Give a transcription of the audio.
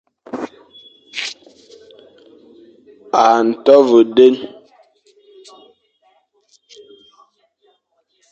A nto ve den.